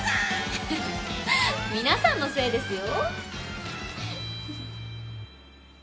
フフッ皆さんのせいですよ。